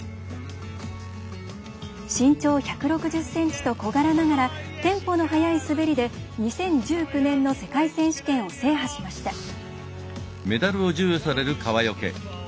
身長１６０ｃｍと小柄ながらテンポの速い滑りで２０１９年の世界選手権を制覇しました。